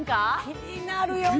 気になるよね